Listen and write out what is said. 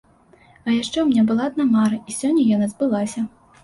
А яшчэ ў мяне была адна мара і сёння яна збылася.